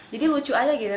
jadi lucu aja gitu